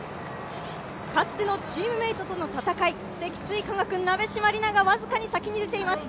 かつてのチームメートとの戦い、積水化学・鍋島莉奈が僅かに前に出ています。